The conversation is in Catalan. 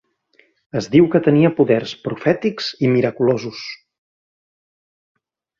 Es diu que tenia poders profètics i miraculosos.